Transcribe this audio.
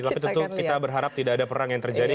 tapi tentu kita berharap tidak ada perang yang terjadi